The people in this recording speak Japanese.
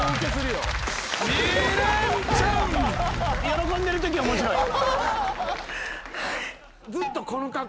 喜んでるとき面白い。